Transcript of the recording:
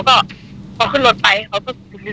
ก็พี่ก็บอกว่าอะไรฮะเราไปหน้าหอเขาขึ้นรถไปเขาก็ปลี๊ดดึงรถหนึ่ง